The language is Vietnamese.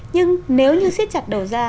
nhưng nếu như xít chặt đầu ra